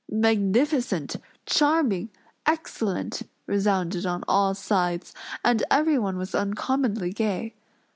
"Magnificent! Charming! Excellent!" resounded on all sides; and everyone was uncommonly gay.